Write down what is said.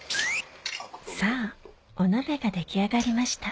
さぁお鍋が出来上がりました